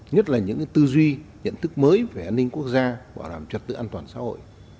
nhất là những tư duy nhận thức mới về an ninh quốc gia bảo đảm trật tự an toàn xã hội